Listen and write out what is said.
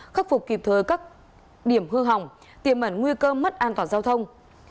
khắc phục kịp thời các điểm hư hỏng tiềm mẩn nguy cơ mất an toàn giao thông